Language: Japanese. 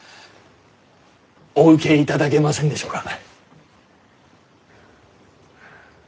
お受けいただけませんでしょうか？